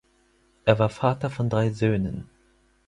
Er war Vater von drei Söhnen.